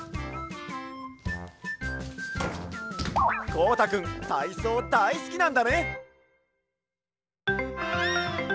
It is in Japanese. こうたくんたいそうだいすきなんだね！